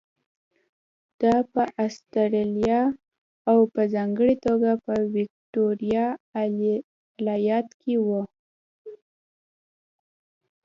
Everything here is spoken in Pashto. دا په اسټرالیا او په ځانګړې توګه په ویکټوریا ایالت کې وو.